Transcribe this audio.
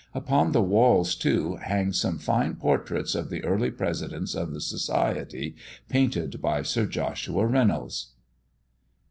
Upon the walls, too, hang some fine portraits of the early presidents of the Society, painted by Sir Joshua Reynolds.